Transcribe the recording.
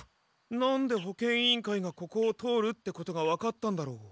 なんで保健委員会がここを通るってことがわかったんだろう？